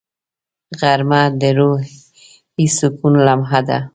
غرمه د روحي سکون لمحه ده